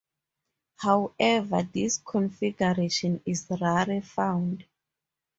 However, this configuration is rarely found.